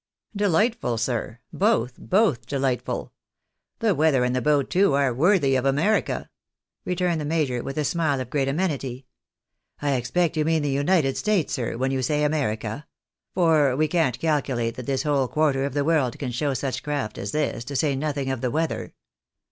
" Delightful, sir ! Both, both delightful. The weather and the boat too are worthy of America," returned the major, with a smile of great amenity. " I expect you mean the United States, sir, when you say America ; for we can't calculate that this whole quarter of the world can show such craft as this, to say nothing of the weather."